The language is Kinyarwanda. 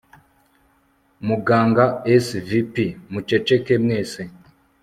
Muganga svp muceceke mwese